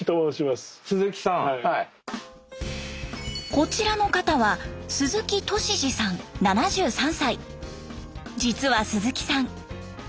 こちらの方は実は鈴木さん